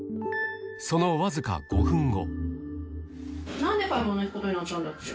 そのわずか５分後。